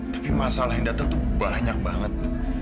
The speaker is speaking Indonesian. tapi masalah yang datang tuh banyak banget